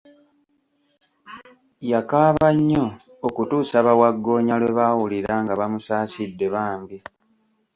Yakaaba nnyo okutuusa bawagggoonya Iwe baawulira nga bamusaasidde bambi.